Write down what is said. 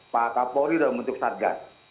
pak kapolido menutup satgas